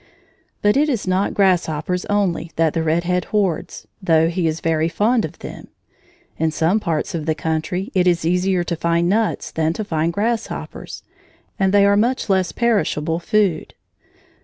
But it is not grasshoppers only that the red head hoards, though he is very fond of them. In some parts of the country it is easier to find nuts than to find grasshoppers, and they are much less perishable food.